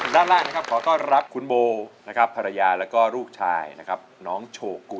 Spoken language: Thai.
ด้านล่างนะครับขอต้อนรับคุณโบนะครับภรรยาแล้วก็ลูกชายนะครับน้องโชกุ